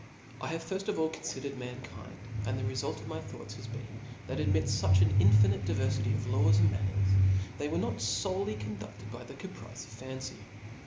I have firft of all confidered mankind; and the refolf of my thought^has been, that amidft fucb an infinite diverfity of laws and man< ncrs, th*y were not folcly condudlcd by the caprice of fancy.